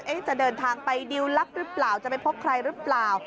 จะเดินทางไปดิวลลับหรือเปล่าจะไปพบใครหรือเปล่า